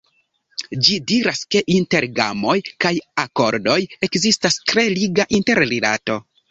Ĝi diras, ke inter gamoj kaj akordoj ekzistas tre liga interrilato.